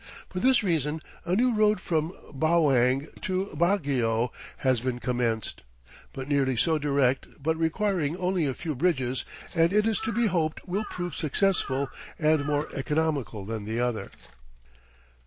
For this reason a new road from Bauang to Baguio has been commenced, not nearly so direct but requiring only a few bridges, and it is to be hoped will prove successful and more economical than the other.